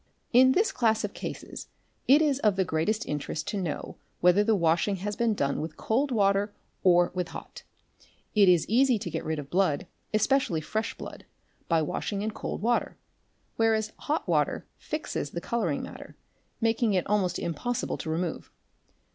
| In this class of cases it is of the greatest interest to know whether | the washing has been done with cold water or with hot. It is easy to | get rid of blood, especially fresh blood, by washing in cold water, whereas | hot water fixes the colouring matter, making it almost impossible to remove.